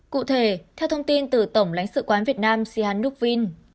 cụ thể theo thông tin từ tổng lãnh sự quán việt nam sihanouk vinh